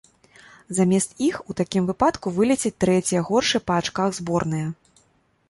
Замест іх у такім выпадку вылецяць трэція горшыя па ачках зборныя.